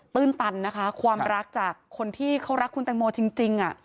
ื้นตันนะคะความรักจากคนที่เขารักคุณแตงโมจริง